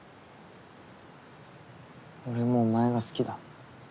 俺もお前が好きだ。